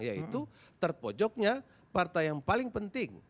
yaitu terpojoknya partai yang paling penting